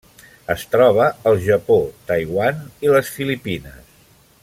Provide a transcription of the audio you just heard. Es troba al Japó, Taiwan i les Filipines.